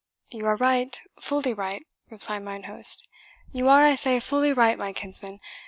"You are right fully right," replied mine host "you are, I say, fully right, my kinsman.